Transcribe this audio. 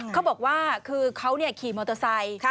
เขาบอกว่าคือเขาขี่มอเตอร์ไซค์